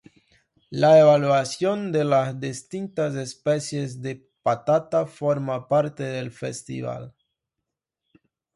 La evaluación de las distintas especies de patata forma parte del festival.